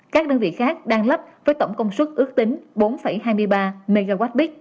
các đơn vị khác đang lắp với tổng công suất ước tính bốn hai mươi ba mwp